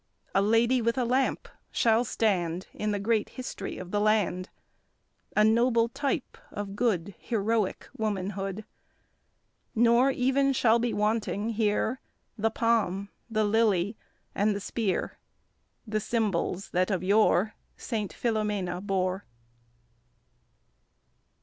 A lady with a lamp shall stand In the great history of the land, A noble type of good Heroic womanhood. Nor even shall be wanting here The palm, the lily, and the spear, The symbols that of yore Saint Filomena bore.